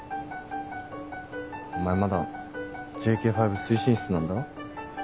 お前まだＪＫ５推進室なんだろ？